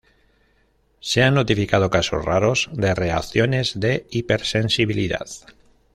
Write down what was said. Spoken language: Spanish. Se han notificado casos raros de reacciones de hipersensibilidad.